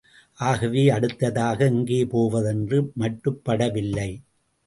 ஆகவே, அடுத்ததாக எங்கே போவது என்று மட்டுப்படவில்லை.